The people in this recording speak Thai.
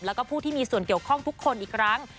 แล้วก็ผู้ที่มีส่วนเกี่ยวข้องทุกคนอีกครั้ง